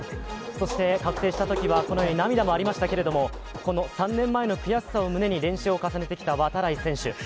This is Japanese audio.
そして確定したときはこのように涙もありましたけど、３年前の悔しさを胸に練習を重ねてきた度会選手